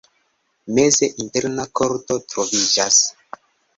Meze interna korto troviĝas.